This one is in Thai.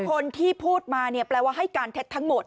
คนที่พูดมาเนี่ยแปลว่าให้การเท็จทั้งหมด